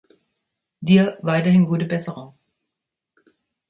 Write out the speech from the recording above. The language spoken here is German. Dir weiterhin gute Besserung!